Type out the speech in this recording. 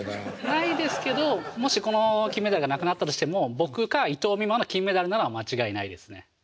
ないですけどもしこの金メダルがなくなったとしても僕か伊藤美誠の金メダルなのは間違いないですね。